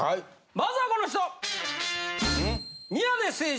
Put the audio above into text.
まずはこの人！